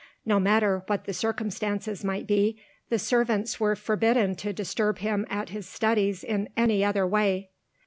No matter what the circumstances might be, the servants were forbidden to disturb him at his studies in any other way.